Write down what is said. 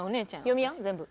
読みや全部。